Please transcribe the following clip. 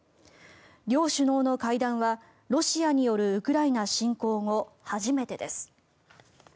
両首脳の会談はロシアによるウクライナ侵攻後初めてです。